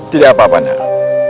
tidak papa nah